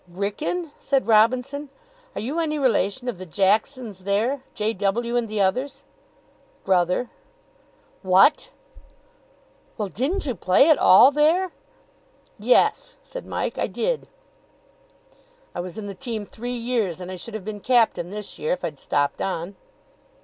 "Wrykyn?" said Robinson. "Are you any relation of the Jacksons there J. W. and the others?" "Brother." "What!" "Well, didn't you play at all there?" "Yes," said Mike, "I did. I was in the team three years, and I should have been captain this year, if I'd stopped on."